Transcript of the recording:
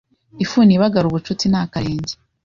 “Ifuni ibagara ubucuti ni akarenge”.